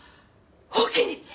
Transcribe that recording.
おおきに。